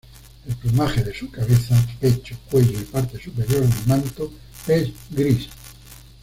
El plumaje de su cabeza, pecho, cuello y parte superior del manto es gris.